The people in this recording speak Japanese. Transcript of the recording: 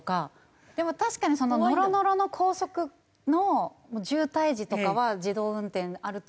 でも確かにノロノロの高速の渋滞時とかは自動運転あると。